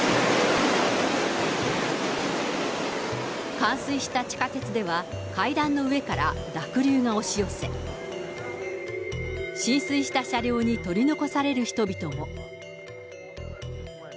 冠水した地下鉄では、階段の上から濁流が押し寄せ、浸水した車両に取り残される人々も。